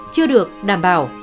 chưa được đảm bảo